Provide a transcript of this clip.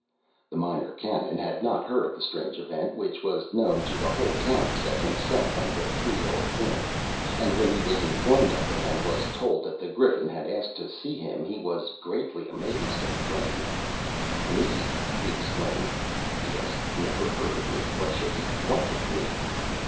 The Minor Canon had not heard of the strange event, which was known to the whole town except himself and the three old women, and when he was informed of it, and was told that the Griffin had asked to see him, he was greatly amazed, and frightened. "Me!" he exclaimed. "He has never heard of me! What should he want with _me?